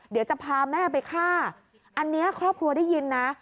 เดี๋ยวจะพาแม่ไปฆ่าอันนี้ครอบครัวได้ยินนะ